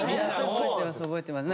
覚えてます覚えてます。